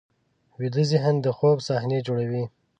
ویده ذهن د خوب صحنې جوړوي